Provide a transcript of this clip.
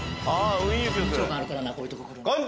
緊張感あるからなこういうとこ来るの。